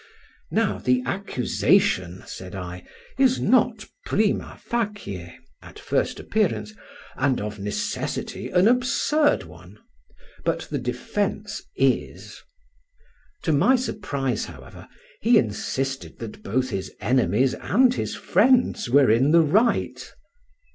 Now the accusation, said I, is not prima facie and of necessity an absurd one; but the defence is. To my surprise, however, he insisted that both his enemies and his friends were in the right.